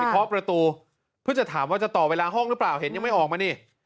เคาะประตูเพื่อจะถามว่าจะต่อเวลาห้องหรือเปล่าเห็นยังไม่ออกมานี่